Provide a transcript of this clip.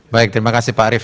baik terima kasih pak arief